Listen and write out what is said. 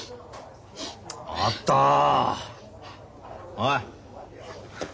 おい。